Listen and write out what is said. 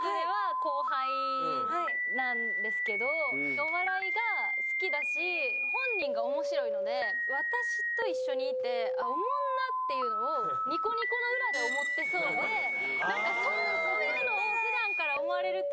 お笑いが好きだし本人が面白いので私と一緒にいて「あっおもんな」っていうのをニコニコの裏で思ってそうでなんかそういうのを普段から思われると。